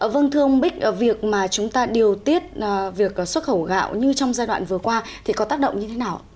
vâng thưa ông bích việc mà chúng ta điều tiết việc xuất khẩu gạo như trong giai đoạn vừa qua thì có tác động như thế nào